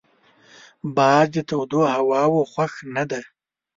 باز د تودو هواوو خوښ نه دی